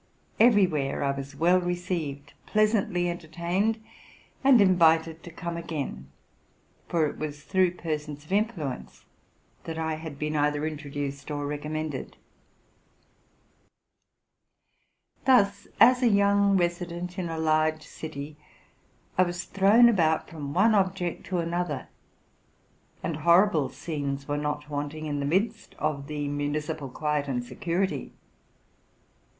EK very where I was well received, pleasantly entertained, and invited to come again; for it was through persons of influ ence that I had been either introduced or recommended, 124 TRUTH AND FICTION Thus, as a young resident in a large city, I was thrown about from one object to another; and horrible scenes were not wanting in the midst of the municipal quiet and security.